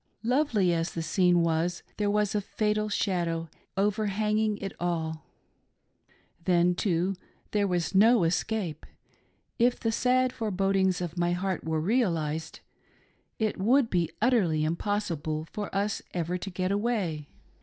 Lovely as the scene was, there was a fatal shadow overhanging it all. Then, too, there was no es cape : if the sad forebodings of my heart were realised, it would be utterly impossible for us ever to get away.